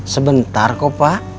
sebentar kok pak